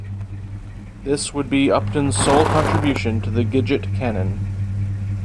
This would be Upton's sole contribution to the Gidget canon.